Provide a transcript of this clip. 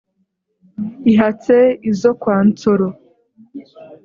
ihatse izo kwa nsoro,